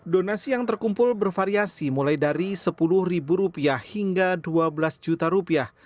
donasi yang terkumpul bervariasi mulai dari sepuluh ribu rupiah hingga dua belas juta rupiah